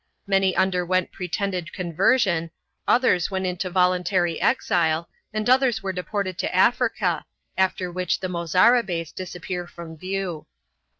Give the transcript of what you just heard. Many underwent pretended conversion, others went into voluntary exile, and others were deported to Africa, after which the Mozarabes disappear from view.